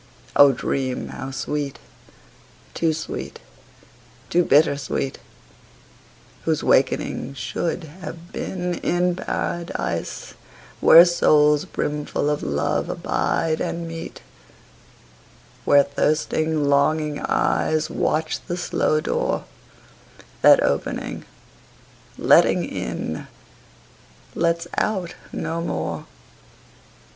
O dream how sweet, too sweet, too bitter sweet, Whose wakening should have been in Paradise, Where souls brimful of love abide and meet; Where thirsting longing eyes Watch the slow door That opening, letting in, lets out no more.